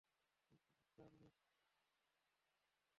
তুই শালা চার্লি!